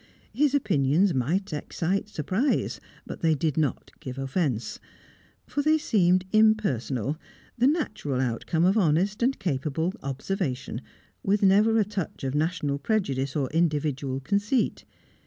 His opinions might excite surprise; but they did not give offence; for they seemed impersonal, the natural outcome of honest and capable observation, with never a touch of national prejudice or individual conceit.